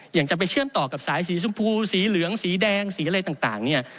อย่างจะไปเชื่อมต่อกับสายสีชมพูสีเหลืองสีแดงสีอะไรต่างเนี่ย